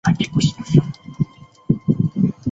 蒂米什县是罗马尼亚西部的一个县。